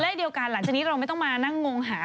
เดียวกันหลังจากนี้เราไม่ต้องมานั่งงงหา